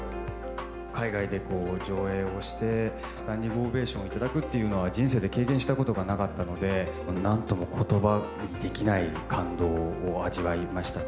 海外で上映をして、スタンディングオベーションをいただくっていうのは、人生で経験したことがなかったので、なんともことばにできない感動を味わいました。